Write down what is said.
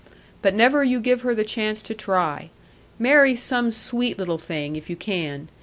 But never you give her the chance to try. Marry some sweet little thing, if you can.